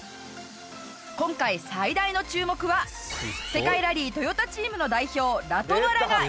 今回最大の注目は世界ラリートヨタチームの代表ラトバラがエントリー。